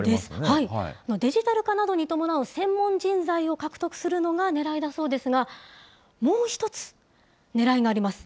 デジタル化などに伴う専門人材を獲得するのがねらいだそうですが、もう１つねらいがあります。